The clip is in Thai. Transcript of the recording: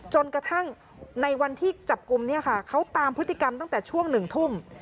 จนกระทั่งในวันที่จับกลุ่มเนี่ยค่ะเขาตามพฤติกรรมตั้งแต่ช่วง๑ทุ่ม